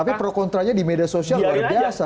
tapi pro kontranya di media sosial luar biasa